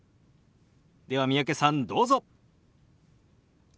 では三宅さんどうぞ。